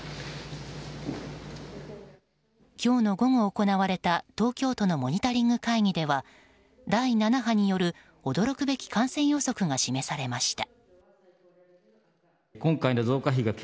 今日の午後行われた東京都のモニタリング会議では第７波による驚くべき感染予測が示されました。